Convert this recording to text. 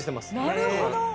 なるほど！